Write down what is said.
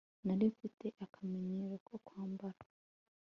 nari mfite akamenyero ko kwambara